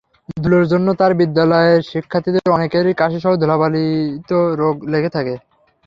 ধুলার জন্য তাঁর বিদ্যালয়ের শিক্ষার্থীদের অনেকেরই কাশিসহ ধুলাবাহিত রোগ লেগে থাকে।